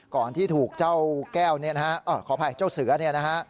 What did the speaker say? ก่อนที่ถูกเจ้าแก้วเนี่ยนะฮะขออภัยเจ้าเสือเนี่ยนะฮะ